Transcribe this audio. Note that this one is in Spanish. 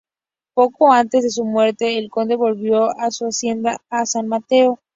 Poco antes de su muerte el Conde volvió a su Hacienda en San Mateo.